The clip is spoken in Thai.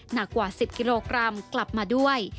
หนักกว่า๑๐กิโลกรัมกลับมาด้วย